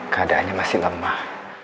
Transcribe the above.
keadaannya masih lemah